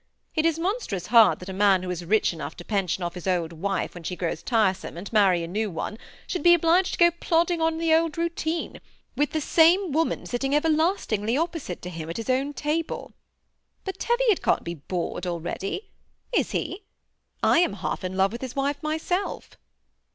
It is monstrous hard that a man who is rich enough to pension off his old wife when she grows tiresome, and marry a new one, should be obliged to go plodding on in the old routine, with the same woman sitting everlastingly opposite to him at his own table. But Teviot can't be bored already. Is he? I am half in love with his wife myself."